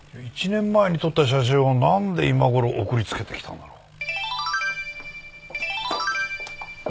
１年前に撮った写真をなんで今頃送りつけてきたんだろう？